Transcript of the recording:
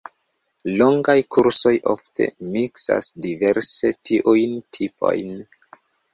Longaj kursoj ofte miksas diverse tiujn tipojn.